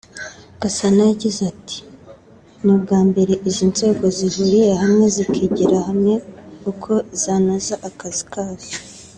Gasana yagize ati “Ni ubwa mbere izi nzego zihuriye hamwe zikigira hamwe uko zanoza akazi kazo